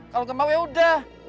kalau nggak mau ya udah